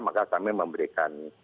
maka kami memberikan